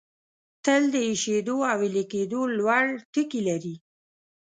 تل د ایشېدو او ویلي کېدو لوړ ټکي لري.